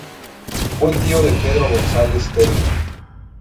Fue tío de Pedro González Telmo.